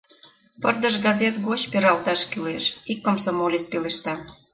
— Пырдыж газет гоч пералташ кӱлеш, — ик комсомолец пелешта.